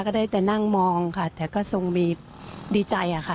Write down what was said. ก็ได้แต่นั่งมองค่ะแต่ก็ทรงมีดีใจค่ะ